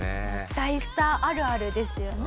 大スターあるあるですよね。